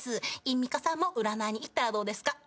「陰ミカさんも占いに行ったらどうですか？」